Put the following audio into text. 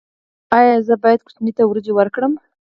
ایا زه باید ماشوم ته وریجې ورکړم؟